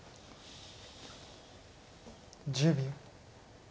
１０秒。